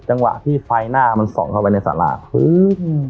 จังหวะที่ไฟหน้ามันส่องเข้าไปในสาราพื้น